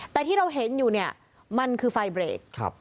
แต่ที่เราเห็นอยู่เนี่ยมันคือไฟเบรก